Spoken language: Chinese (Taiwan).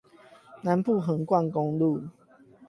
南部橫貫公路